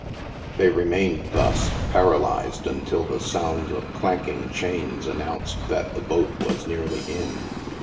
They remained thus, paralyzed, until the sounds of clanking chains announced that the boat was nearly in.